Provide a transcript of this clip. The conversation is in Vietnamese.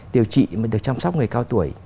điều trị mà được chăm sóc người cao tuổi